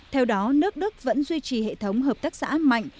theo đó nước đức vẫn duy trì hệ thống hợp tác xã mạnh